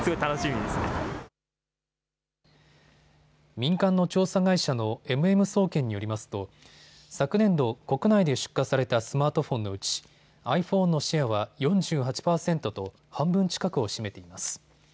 民間の調査会社のＭＭ総研によりますと昨年度、国内で出荷されたスマートフォンのうちｉＰｈｏｎｅのシェアは４８％と半分近くを占めています。